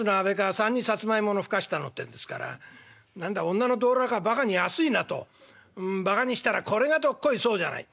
３にサツマイモのふかしたのってんですから何だ女の道楽はバカに安いなとバカにしたらこれがどっこいそうじゃない。